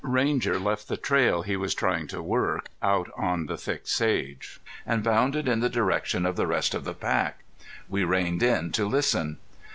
Ranger left the trail he was trying to work out in the thick sage, and bounded in the direction of the rest of the pack. We reined in to listen.